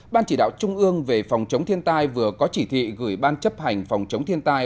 ban chỉ đạo trung ương về phòng chống thiên tai vừa có chỉ thị gửi ban chấp hành phòng chống thiên tai